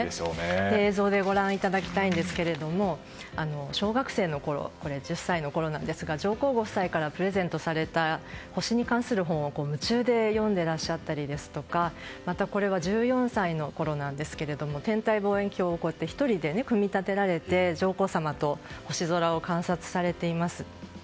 映像でご覧いただきたいんですが小学生のころ１０歳のころなんですが上皇ご夫妻からプレゼントされた星に関する本を夢中で読んでいらっしゃったりこれは１４歳のころなんですが天体望遠鏡を１人で組み立てられて上皇さまと星空を観察されています。